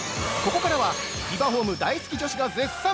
◆ここからは、ビバホーム大好き女子が絶賛。